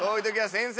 先生！